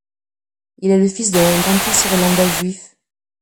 Il est le fils d'un dentiste irlandais juif.